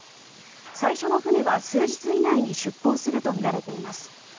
最初の船は数日以内に出航するとみられています。